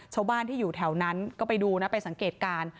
ชาวบ้านที่อยู่แถวนั้นก็ไปดูนะไปสังเกตการณ์